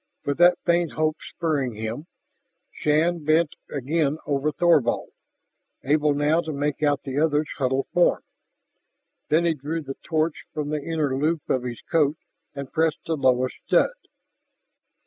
With that faint hope spurring him, Shann bent again over Thorvald, able now to make out the other's huddled form. Then he drew the torch from the inner loop of his coat and pressed the lowest stud.